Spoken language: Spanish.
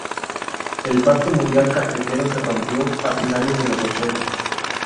El pacto mundial cafetero se rompió a finales de los ochenta.